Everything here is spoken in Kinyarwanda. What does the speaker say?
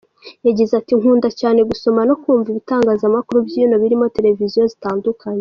Yagize ati “Nkunda cyane gusoma no kumva ibitangazamakuru byino birimo televiziyo zitandukanye.